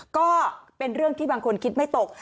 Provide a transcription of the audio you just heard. ก็เป็นเรื่องที่บางคนคิดไม่ตก